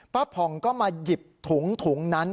ผ่องก็มาหยิบถุงถุงนั้น